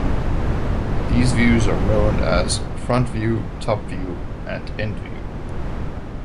These views are known as "front view", "top view" and "end view".